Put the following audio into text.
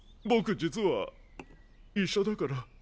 僕実は医者だから。